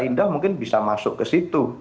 indah mungkin bisa masuk ke situ